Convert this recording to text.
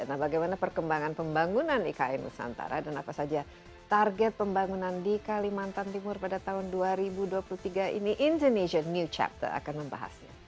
nah bagaimana perkembangan pembangunan ikn nusantara dan apa saja target pembangunan di kalimantan timur pada tahun dua ribu dua puluh tiga ini indonesia new chapter akan membahasnya